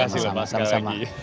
terima kasih pak sekarang lagi